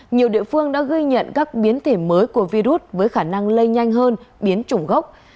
nhiều địa phương đã ghi nhận các biến thể mới của virus với khả năng lây nhanh hơn biến chủng gốc